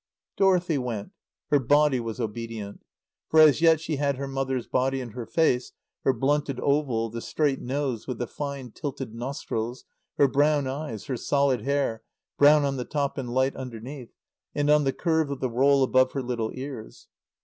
Dorothy went. Her body was obedient. For as yet she had her mother's body and her face, her blunted oval, the straight nose with the fine, tilted nostrils, her brown eyes, her solid hair, brown on the top and light underneath, and on the curve of the roll above her little ears.